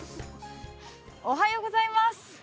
◆おはようございます。